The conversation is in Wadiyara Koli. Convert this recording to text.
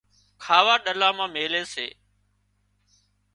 کاوا ڏلا مان ميلي سي